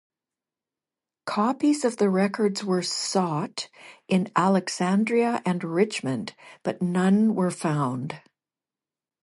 Copies of the records were sought in Alexandria and Richmond but none were found.